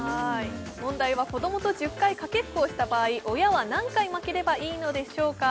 問題は子どもと１０回かけっこをした場合親は何回負ければいいのでしょうか？